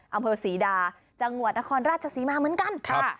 อำเภอศรีดาจังหวัดนครราชศรีมาเหมือนกันครับ